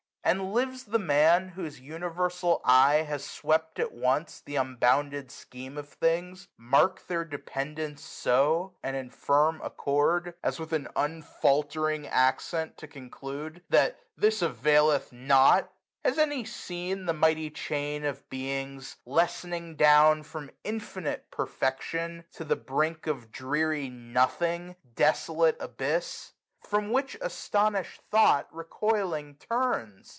And lives the Man, whose universal eye Has swept at once th' unbounded scheme of things ; Mark'd their dependance so, and firm accord, 351 As with unfaultering accent to conclude That this availeth nought ? Has any seen The mighty chain of beings, lessening down From Infinite Perfection to the brink 335 Of dreary Nothing, desolate abyss ! From which astonished thought, recoiling, turns